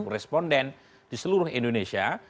satu dua ratus dua puluh responden di seluruh indonesia